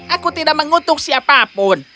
b aku tidak ministik siapa pun